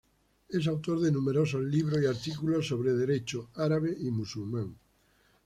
Es autor de numerosos libros y artículos sobre Derecho árabe y musulmán.